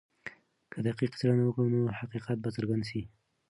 که دقیقه څېړنه وکړو نو حقیقت به څرګند سي.